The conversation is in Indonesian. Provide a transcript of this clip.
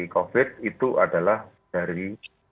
covid itu adalah dari